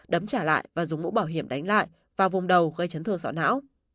đấm trả lại và dùng mũ bảo hiểm đánh lại vào vùng đầu gây chấn thương sọ não